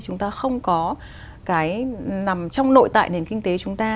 chúng ta không có cái nằm trong nội tại nền kinh tế chúng ta